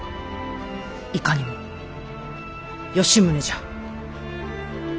いかにも吉宗じゃ。